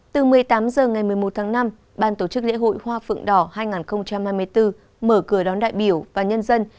từ một mươi tám h ngày một mươi một tháng năm ban tổ chức lễ hội hoa phượng đỏ hai nghìn hai mươi bốn mở cửa đón đại biểu và nhân dân